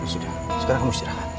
sudah sekarang kamu istirahat